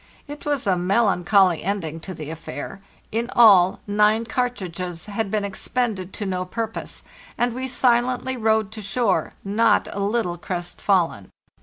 It was a mel ancholy ending to the affair. In all, nine cartridges had been expended to no purpose, and we silently rowed to shore, not a little crestfallen.